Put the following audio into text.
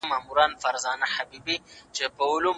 ټولنه او ادبیات ګډ اغېز لري.